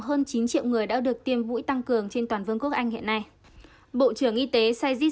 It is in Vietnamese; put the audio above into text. hơn chín triệu người đã được tiêm vũ tăng cường trên toàn vương quốc anh hiện nay bộ trưởng y tế saigis